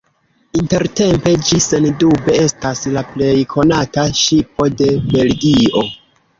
Intertempe ĝi sendube estas la plej konata ŝipo de Belgio.